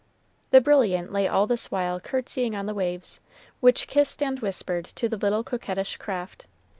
The Brilliant lay all this while courtesying on the waves, which kissed and whispered to the little coquettish craft.